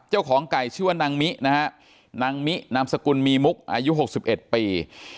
ไม่รู้นะครับเจ้าของไก่ชื่อว่านางมินามสกุลมีมุกอายุ๖๑ปี